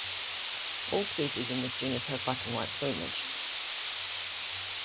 All species in this genus have black and white plumage.